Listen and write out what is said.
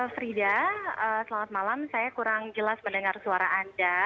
frida selamat malam saya kurang jelas mendengar suara anda